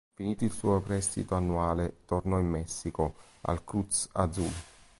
Finito il suo prestito annuale, tornò in Messico, al Cruz Azul.